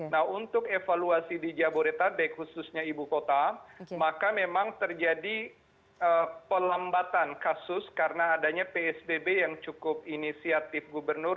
nah untuk evaluasi di jabodetabek khususnya ibu kota maka memang terjadi pelambatan kasus karena adanya psbb yang cukup inisiatif gubernur